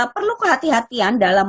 perlu kehati hatian dalam